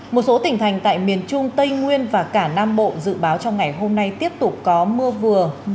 một số tỉnh thành tại miền trung tây nguyên và cả nam bộ dự báo trong ngày hôm nay tiếp tục có mưa vừa